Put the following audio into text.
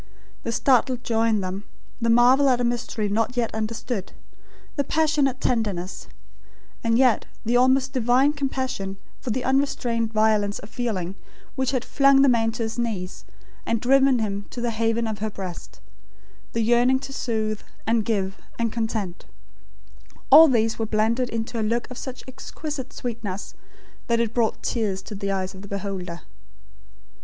The startled joy in them; the marvel at a mystery not yet understood; the passionate tenderness; and yet the almost divine compassion for the unrestrained violence of feeling, which had flung the man to his knees, and driven him to the haven of her breast; the yearning to soothe, and give, and content; all these were blended into a look of such exquisite sweetness, that it brought tears to the eyes of the beholder.